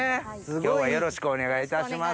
今日はよろしくお願いいたします。